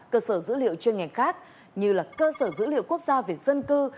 cơ sở dữ liệu chuyên ngành khác như là cơ sở dữ liệu quốc gia về dân cư